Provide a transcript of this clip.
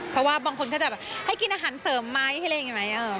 เพราะว่าบางคนก็จะแบบให้กินอาหารเสริมไหมอะไรอย่างนี้ไหม